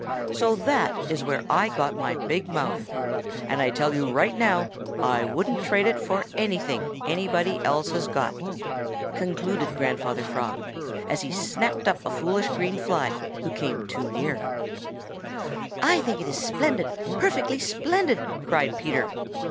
So that is where I got my big mouth, and I tell you right now I wouldn't trade it for anything anybody else has got," concluded Grandfather Frog, as he snapped up a foolish green fly who came too near. "I think it is splendid, perfectly splendid," cried Peter.